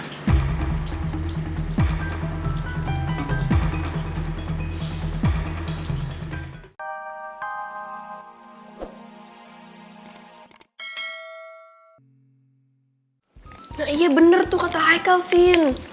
nah iya bener tuh kata heikel sin